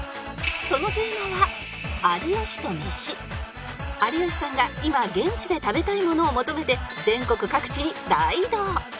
そのテーマは有吉さんが今現地で食べたいものを求めて全国各地に大移動！